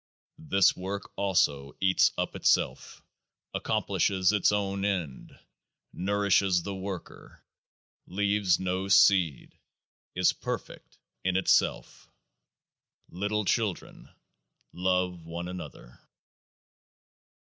This Work also eats up itself, accomplishes its own end, nourishes the worker, leaves no seed, is perfect in itself. Little children, love one another